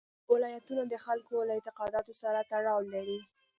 ولایتونه د خلکو له اعتقاداتو سره تړاو لري.